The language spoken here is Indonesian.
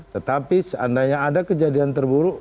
tetapi seandainya ada kejadian terburuk